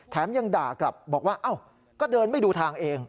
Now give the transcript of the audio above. ยังด่ากลับบอกว่าอ้าวก็เดินไม่ดูทางเอง